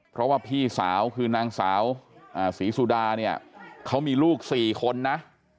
เพราะว่าพี่สาวคือนางสาวศรีสุดาเนี่ยเขามีลูก๔คนนะ